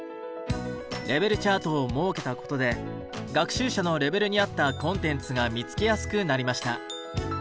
レベルチャートを設けたことで学習者のレベルに合ったコンテンツが見つけやすくなりました。